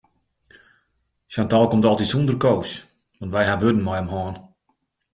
Chantal komt altyd sûnder Koos want wy hawwe wurden mei him hân.